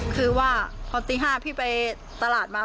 คือว่าพอตี๕พี่ไปตลาดมา